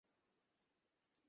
মগজ বলতে কিচ্ছু নেই।